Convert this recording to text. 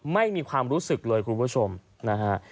ไม่มีความรู้สึกเลยคุณผู้ชมนะฮะ